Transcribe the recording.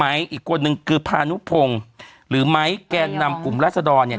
ไม้อีกคนหนึ่งคือพานุพงฯหรือไม้แก่นำกลุ่มราษฎรเนี่ย